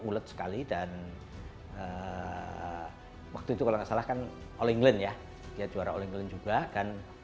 ulet sekali dan waktu itu kalau nggak salah kan all england ya dia juara all england juga kan